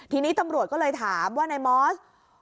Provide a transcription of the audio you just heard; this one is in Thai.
ทีนี้ตำรวจก็เลยถามว่านายมอส